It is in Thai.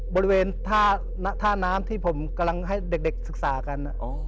บริเวณท่าน้ำที่ผมกำลังให้เด็กศึกษากัน